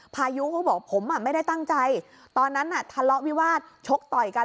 พายุเขาบอกผมไม่ได้ตั้งใจตอนนั้นน่ะทะเลาะวิวาสชกต่อยกัน